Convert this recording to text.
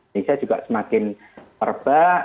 indonesia juga semakin merebak